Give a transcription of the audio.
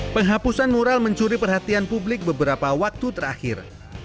penghapusan mural mencuri perhatian publik beberapa waktu terakhir